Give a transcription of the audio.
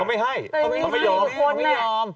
เขาไม่ให้เขาไม่ยอม